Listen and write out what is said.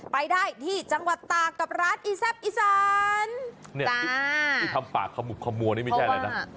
ไปได้ที่จังหวัดตากกับร้านอีแซ่บอีสานเนี่ยที่ทำปากขมุบขมัวนี่ไม่ใช่อะไรนะ